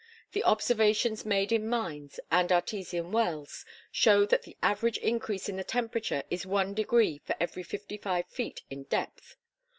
The observations made in mines and artesian wells show that the average increase in the temperature is one degree for every fifty five feet in depth.